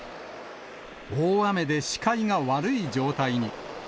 大雨で視界が悪い状態に。